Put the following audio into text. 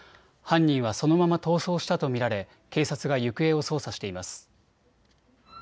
犯人はそのまま逃走したと見られ警察が行方を捜査しています。